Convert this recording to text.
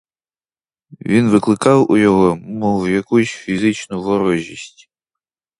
Він викликав у його мов якусь фізичну ворожість.